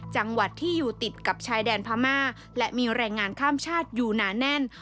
จังหวัดที่อยู่ติดกับชายแดนพม่าและมีแรงงานข้ามชาติอยู่หนาแน่น